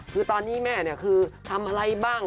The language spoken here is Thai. คือตอนนี้แม่ทำอะไรบ้าง